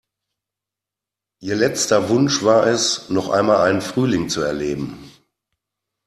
Ihr letzter Wunsch war es, noch einmal einen Frühling zu erleben.